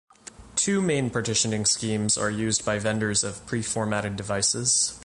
Two main partitioning schemes are used by vendors of pre-formatted devices.